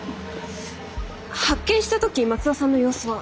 発見した時松田さんの様子は？